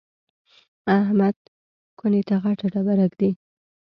احمد کونې ته غټه ډبره ږدي.